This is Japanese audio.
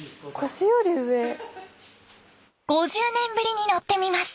５０年ぶりに乗ってみます。